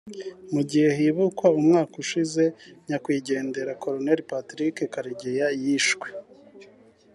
Mu gihe hibukwa umwaka ushize nyakwigendera Colonel Patrick Karegeya yishwe